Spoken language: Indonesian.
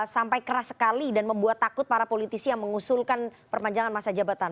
sampai keras sekali dan membuat takut para politisi yang mengusulkan perpanjangan masa jabatan